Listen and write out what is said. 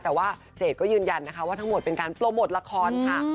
แต่ว่าเจดก็ยืนยันนะคะว่าทั้งหมดเป็นการโปรโมทละครค่ะ